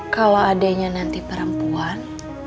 kalo adeknya nanti perempuan